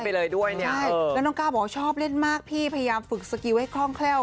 ไปเลยด้วยเนี่ยใช่แล้วน้องก้าวบอกว่าชอบเล่นมากพี่พยายามฝึกสกิลให้คล่องแคล่ว